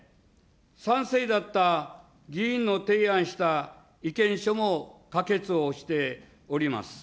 賛成だった議員の提案した意見書も可決をしております。